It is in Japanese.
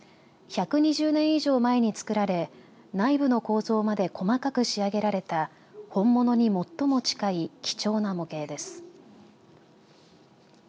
１２０年以上前に作られ内部の構造まで細かく仕上げられた本物に最も近い貴重な模型です。